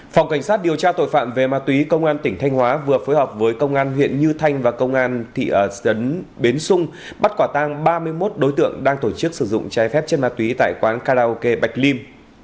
phòng cảnh sát điều tra tội phạm về ma túy công an tỉnh thanh hóa vừa phối hợp với công an huyện như thanh và công an thị trấn bến xung bắt quả tang ba mươi một đối tượng đang tổ chức sử dụng trái phép chất ma túy tại quán karaoke bạch lim